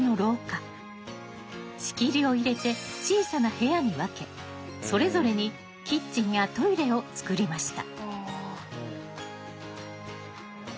仕切りを入れて小さな部屋に分けそれぞれにキッチンやトイレをつくりました。